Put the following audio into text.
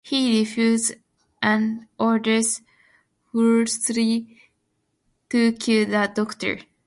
He refuses and orders Woolsey to kill the Doctor.